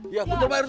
iya betul pak rt